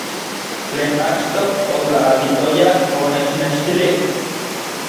Tlen achtoj otlaatitoya onechnextilij.